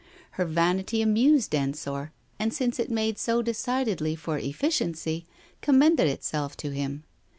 Her vanity amused Ensor, and since it made so decidedly for effici ency, commended itself to him.